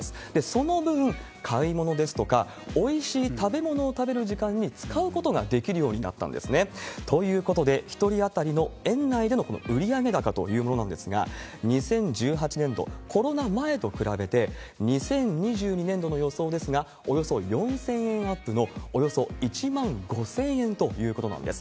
その分、買い物ですとか、おいしい食べ物を食べる時間に使うことができるようになったんですね。ということで、１人当たりの園内での売上高というものなんですが、２０１８年度、コロナ前と比べて、２０２２年度の予想ですが、およそ４０００円アップの、およそ１万５０００円ということなんです。